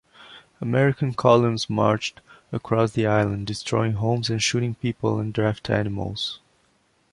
American columns marched across the island, destroying homes and shooting people and draft animals.